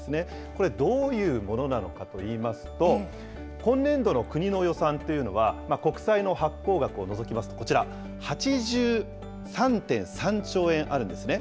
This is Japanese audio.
これ、どういうものなのかといいますと、今年度の国の予算というのは、国債の発行額を除きますと、こちら、８３．３兆円あるんですね。